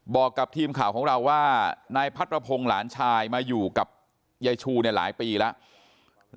บอกกับทีมข่าวของเราว่านายพัดประพงศ์หลานชายมาอยู่กับยายชูเนี่ยหลายปีแล้ว